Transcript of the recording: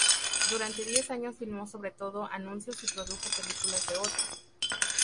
Durante diez años filmó sobre todo anuncios y produjo películas de otros.